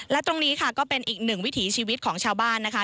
และตรงนี้ค่ะก็เป็นอีกหนึ่งวิถีชีวิตของชาวบ้านนะคะ